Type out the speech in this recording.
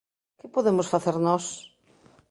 Que podemos facer nós?